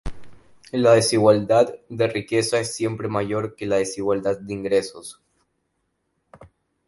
La desigualdad de riqueza es siempre mayor que la desigualdad de ingresos.